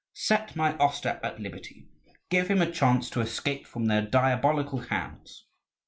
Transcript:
Set my Ostap at liberty! give him a chance to escape from their diabolical hands.